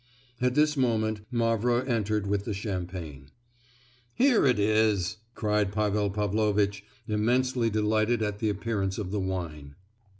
At this moment, Mavra entered with the champagne. "Here it is!" cried Pavel Pavlovitch, immensely delighted at the appearance of the wine.